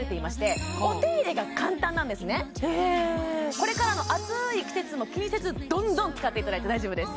これからの暑い時期も気にせずどんどん使っていただいて大丈夫です